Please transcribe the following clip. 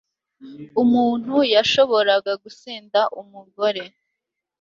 umuntu yashoboraga gusenda umugore